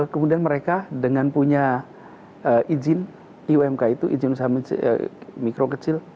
kemudian mereka dengan punya izin iumk itu izin usaha mikro kecil